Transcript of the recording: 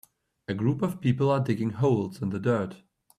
A group of people are digging holes in the dirt.